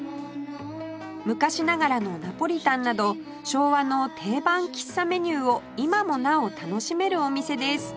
昔ながらのナポリタンなど昭和の定番喫茶メニューを今もなお楽しめるお店です